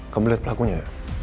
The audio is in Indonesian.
kamu lihat pelakunya